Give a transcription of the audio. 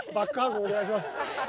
お願いします。